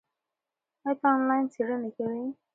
ایا ته آنلاین څېړنه کوې؟